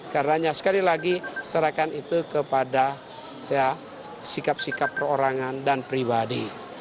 karena sekali lagi serahkan itu kepada sikap sikap perorangan dan pribadi